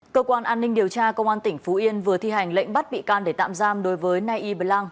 cơ quan an ninh điều tra công an tỉnh phú yên vừa thi hành lệnh bắt bị can để tạm giam đối với nay y bờ lang